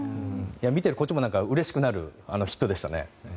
見ているこっちもうれしくなるヒットでしたね。